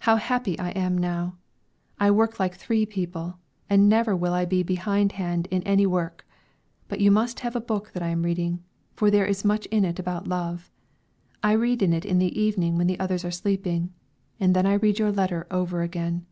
How happy I am now! I work like three people, and never will I be behind hand in any work! But you must have a book that I am reading, for there is much in it about love. I read in it in the evening when the others are sleeping, and then I read your letter over again.